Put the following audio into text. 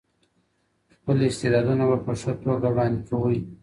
خپل استعدادونه به په ښه توګه وړاندي کوئ.